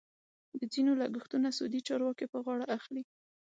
د ځینو لګښتونه سعودي چارواکي په غاړه اخلي.